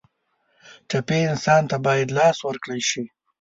ټپي انسان ته باید لاس ورکړل شي.